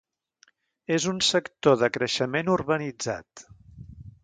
És un sector de creixement urbanitzat.